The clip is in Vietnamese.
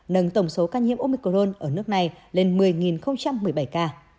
nâng tổng số ca nhiễm omicron ở nước này lên một mươi một mươi bảy ca